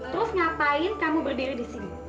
terus ngapain kamu berdiri disini